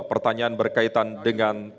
pertanyaan berkaitan dengan paslon dua